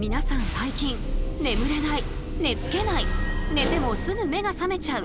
最近「眠れない」「寝つけない」「寝てもすぐ目が覚めちゃう」